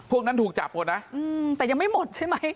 พวกนั้นถูกจับหมดนะแต่ยังไม่หมดใช่ไหม